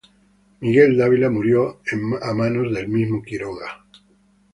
Miguel Dávila murió a manos del mismo Quiroga.